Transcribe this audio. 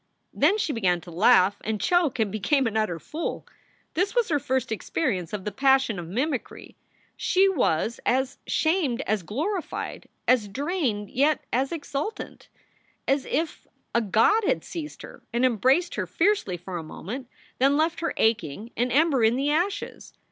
Then she began to laugh and choke, became an utter fool. This was her first experience of the passion of mimicry. She was as shamed as glorified, as drained yet as exultant, as if a god had seized her and embraced her fiercely for a moment, then left her aching, an ember in the ashes.